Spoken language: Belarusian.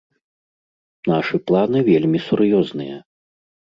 Нашы планы вельмі сур'ёзныя.